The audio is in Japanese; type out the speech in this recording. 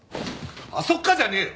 「あっそっか」じゃねえよ！